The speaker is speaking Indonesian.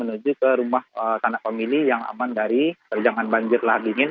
ada rumah tanah pemilih yang aman dari perjalanan banjir lahar dingin